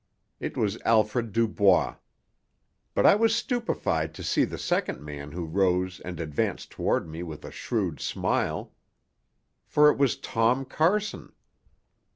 It was Alfred Dubois. But I was stupefied to see the second man who rose and advanced toward me with a shrewd smile. For it was Tom Carson!